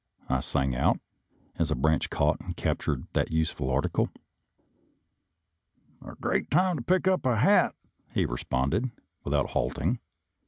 I sang out, as a branch caught and captured that useful article. " A great time to pick up a hat !" he responded, without halting.